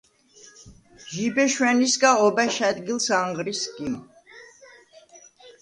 ჟიბე შვა̈ნისგა ობა̈შ ა̈დგილს ანღრი სგიმ.